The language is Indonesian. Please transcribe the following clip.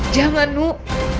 jangan bunuh aku